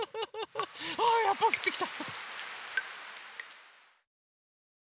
あやっぱりふってきた！